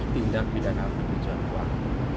tindak pidana pencipta uang